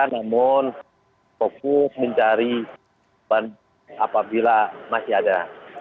namun fokus mencari apabila masih ada